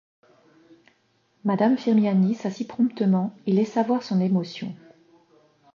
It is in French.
Madame Firmiani s’assit promptement et laissa voir son émotion.